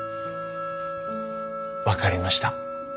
分かりました。